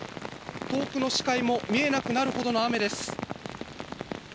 遠くの視界も見えなくなるほどの雨です。